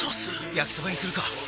焼きそばにするか！